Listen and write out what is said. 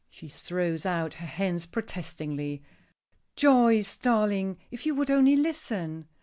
She throws out her hands protestingly. "Joyce, darling, if you would only listen."